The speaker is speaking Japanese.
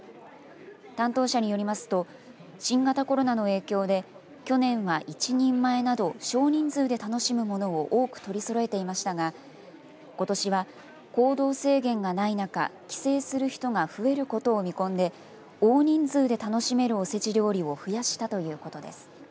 担当者によりますと新型コロナの影響で去年は１人前など少人数で楽しむものを多く取りそろえていましたがことしは、行動制限がない中帰省する人が増えることを見込んで大人数で楽しめるおせち料理を増やしたということです。